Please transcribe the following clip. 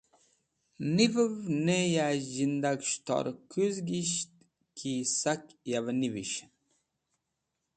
Nivev ne ya zhindag shẽtor/ k̃hẽnakẽ kũzkisht ki sak yavẽ nivishẽn.